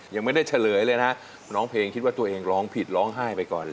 ยังไม่ได้เฉลยเลยนะน้องเพลงคิดว่าตัวเองร้องผิดร้องไห้ไปก่อนเลย